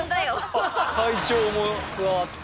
会長も加わって？